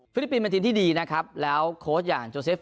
ลิปปินสเป็นทีมที่ดีนะครับแล้วโค้ชอย่างโจเซฟ